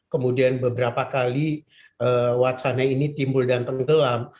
kemudian beberapa kali wacana ini timbul dan tenggelam